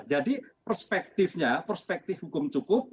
jadi perspektifnya perspektif hukum cukup